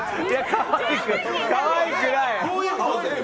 かわいくない。